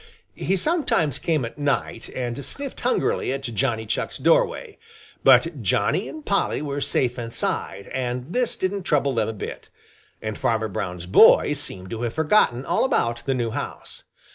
He sometimes came at night and sniffed hungrily at Johnny Chuck's doorway, but Johnny and Polly were safe inside, and this didn't trouble them a bit. And Farmer Brown's boy seemed to have forgotten all about the new house.